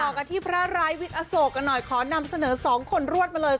กันที่พระร้ายวิทย์อโศกกันหน่อยขอนำเสนอสองคนรวดมาเลย